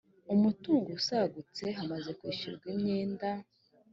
umutungo usagutse hamaze kwishyurwa imyenda